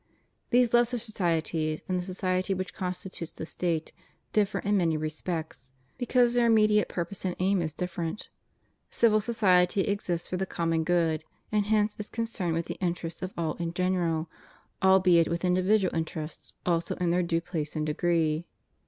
These lesser societies and the society which constitutes the State differ in many respects, because their immediate purpose and aim is different. Civil society exists for the common good, and hence is concerned with the in terests of all in general, albeit with individual interests also in their due place and degree.